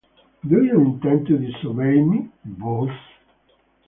Do you intend to disobey me, Booth?